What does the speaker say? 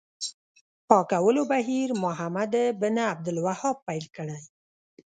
پاکولو بهیر محمد بن عبدالوهاب پیل کړی.